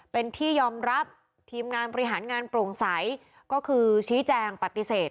เป็นที่ยอมรับทีมงานบริหารงานโปร่งใสก็คือชี้แจงปฏิเสธ